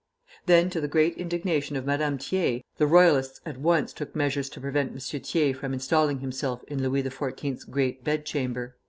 Then, to the great indignation of Madame Thiers, the Royalists at once took measures to prevent M. Thiers from installing himself in Louis XIV.'s great bedchamber.